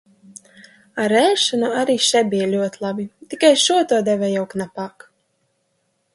Ar ēšanu arī še bija ļoti labi, tikai šo to deva jau knapāk.